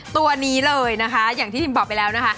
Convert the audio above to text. ตัวนี้เลยอย่างที่พี่บอกไปแล้ว